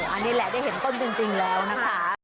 อันนี้แหละได้เห็นต้นจริงแล้วนะคะ